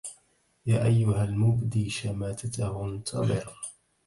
يا أيها المبدي شماتته انتظر